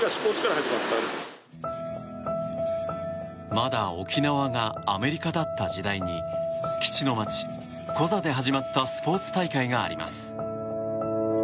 まだ沖縄がアメリカだった時代に基地の街、コザで始まったスポーツ大会があります。